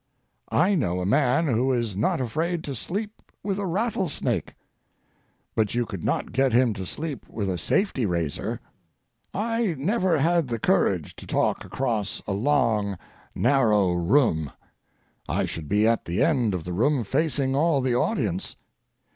I know a man who is not afraid to sleep with a rattlesnake, but you could not get him to sleep with a safety razor. I never had the courage to talk across a long, narrow room. I should be at the end of the room facing all the audience.